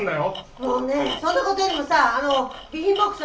もうねそんなことよりもさあの備品ボックス。